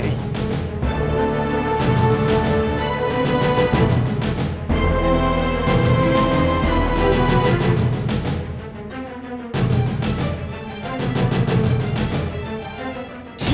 dia mencari dewi